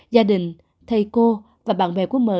gia đình thầy cô và bạn bè của mờ